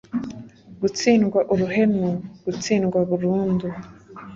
gutsindwa uruhenu gutsindwa burundu